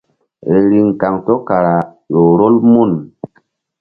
Riŋ kaŋto kara ƴo rol mun.